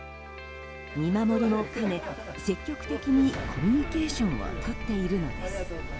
見守りも兼ね積極的にコミュニケーションを取っているのです。